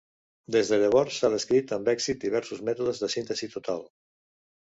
Des de llavors s'han descrit amb èxit diversos mètodes de síntesi total.